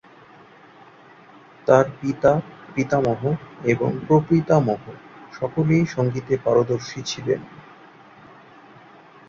তার পিতা, পিতামহ এবং প্রপিতামহ সকলেই সংগীতে পারদর্শী ছিলেন।